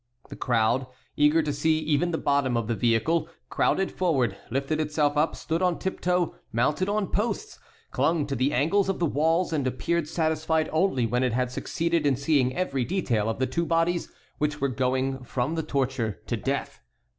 The crowd, eager to see even the bottom of the vehicle, crowded forward, lifted itself up, stood on tiptoe, mounted posts, clung to the angles of the walls, and appeared satisfied only when it had succeeded in seeing every detail of the two bodies which were going from the torture to death.